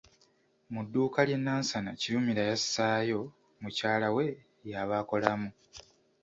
Mu dduuka ly'e Nansana Kirumira yassaayo mukyala we y'aba akolamu.